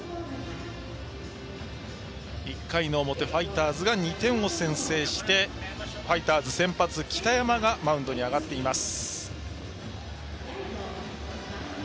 １回の表、ファイターズが２点を先制してファイターズ、先発の北山がマウンドに上がっています。